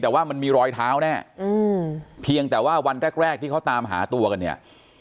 แต่ว่ามันมีรอยเท้าแน่เพียงแต่ว่าวันแรกแรกที่เขาตามหาตัวกันเนี่ย